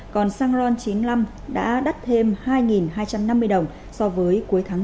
còn xăng ron chín mươi năm đã đắt thêm hai hai trăm năm mươi đồng so với cuối tháng bốn